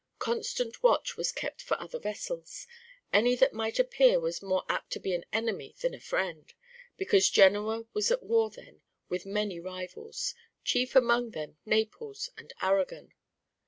Constant watch was kept for other vessels; any that might appear was more apt to be an enemy than a friend, because Genoa was at war then with many rivals, chief among them Naples and Aragon.